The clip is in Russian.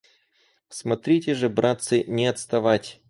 - Смотрите же, братцы, не отставать!